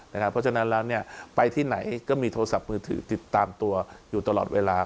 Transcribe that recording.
เพราะฉะนั้นแล้วไปที่ไหนก็มีโทรศัพท์มือถือติดตามตัวอยู่ตลอดเวลา